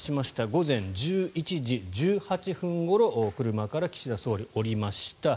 午前１１時１８分ごろ車から岸田総理降りました。